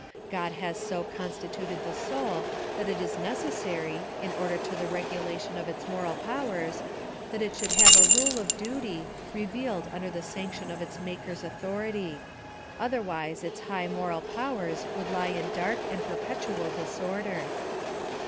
God has so constitu ted the soul that it is necessary, in order to the regu lation of its moral powers, thf t it should have a rule of duty, revealed under the sanction of its Maker's authority ; otherwise its high moral powers would lie in dark and perpetual disorder.